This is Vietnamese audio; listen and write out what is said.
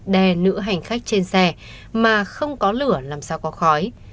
đè nữ hành khách trên xe mà không có lửa làm sao có khói